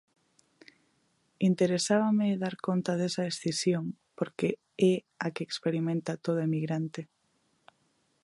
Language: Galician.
Interesábame dar conta desa escisión porque é a que experimenta todo emigrante.